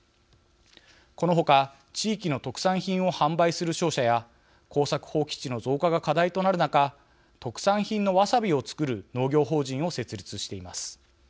この他地域の特産品を販売する商社や耕作放棄地の増加が課題となる中特産品のわさびを作る農業法人を設立しています。